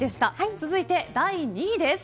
続いて第２位です。